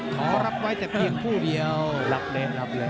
ขอรับไว้แต่ผิดผู้เดียวรับเลยรับเลย